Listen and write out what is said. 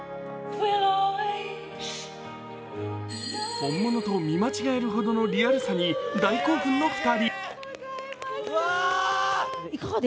本物と見間違えるほどのリアルさに大興奮の２人。